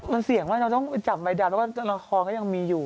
มันเสี่ยงว่าเราต้องไปจับใบดันเพราะว่าละครก็ยังมีอยู่